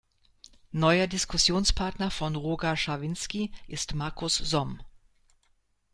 Neuer Diskussionspartner von Roger Schawinski ist Markus Somm.